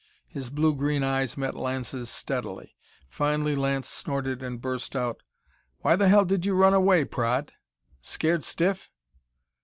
His blue green eyes met Lance's steadily. Finally Lance snorted and burst out: "Why the hell did you run away, Praed? Scared stiff?"